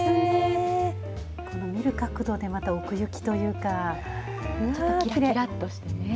見る角度でまた奥行きというか、ちょっときらきらっとしてね。